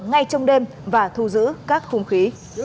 ngay trong đêm và thu giữ các hung khí